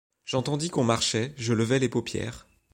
J’entendis qu’on marchait, je levai les paupières ;